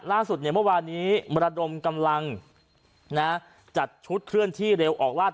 ล่าสุดเนี่ยเมื่อวานี้ระดมกำลังนะจัดชุดเคลื่อนที่เร็วออกลาด